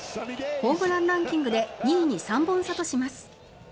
ホームランランキングで２位に３本差とします。